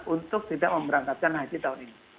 untuk tidak memberangkatkan haji tahun ini